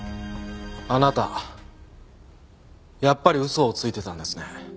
あなたやっぱり嘘をついてたんですね。